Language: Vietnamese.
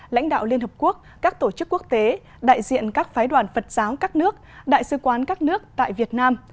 lãnh đạo liên hợp quốc các tổ chức quốc tế đại diện các phái đoàn phật giáo các nước đại sứ quán các nước tại việt nam